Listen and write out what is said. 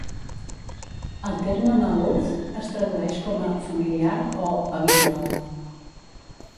El terme malouf es tradueix com a "familiar" o "habitual".